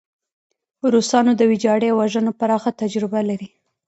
روسان د ویجاړۍ او وژنو پراخه تجربه لري.